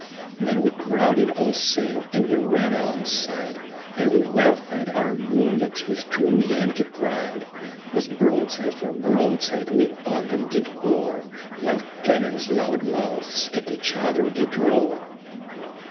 Then we crowded all sail, and we ran alongside, And we wellfed our bull dogs with true Yankee pride. 'Twas broadside for broadside we on them did pour, While cannon's loud mouths at each other did roar.